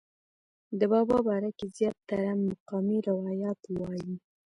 د بابا باره کښې زيات تره مقامي روايات وائي